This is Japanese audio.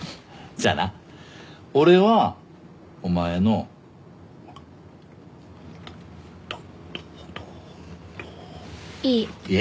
じゃあな俺はお前の。ととと。いい。